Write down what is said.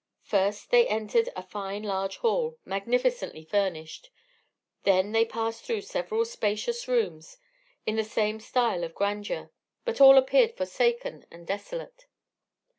First, they entered a fine large hall, magnificently furnished; they then passed through several spacious rooms, in the same style of grandeur; but all appeared forsaken and desolate.